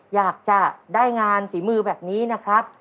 อยากจะได้งานฝีมือแบบนี้นะครับ